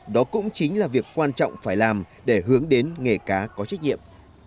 đó cũng chính là việc quan trọng phải làm để hướng đến nghề cá có trách nhiệm